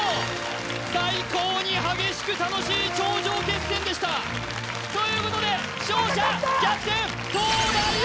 最高に激しく楽しい頂上決戦でしたということで勝者逆転東大王！